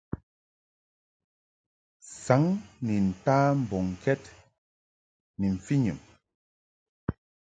Saŋ ni nta mbɔŋkɛd ni mfɨnyum.